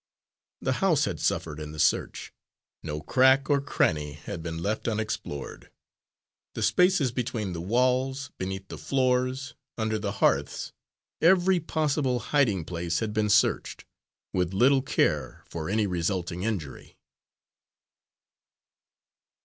The house had suffered in the search. No crack or cranny had been left unexplored. The spaces between the walls, beneath the floors, under the hearths every possible hiding place had been searched, with little care for any resulting injury.